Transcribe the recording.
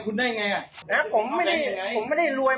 ก็นี่ไงผมยอมรับผมก็มาจ่ายเนี่ย๔๐๐